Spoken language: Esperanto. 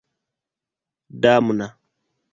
damna